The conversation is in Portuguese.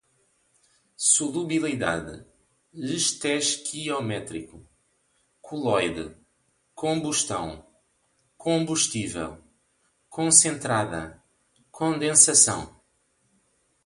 solubilidade, estequiométrico, coloide, combustão, combustível, concentrada, condensação